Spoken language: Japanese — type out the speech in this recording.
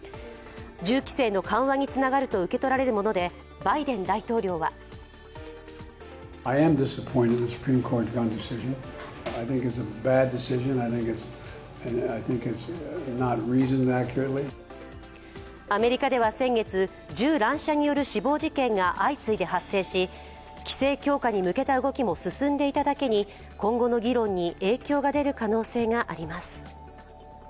銃規制の緩和につながると受け取られるものでバイデン大統領はアメリカでは先月、銃乱射による死亡事件が相次いで発生し、規制強化に向けた動きも進んでいただけに今後の議論に影響が出る可能性があります。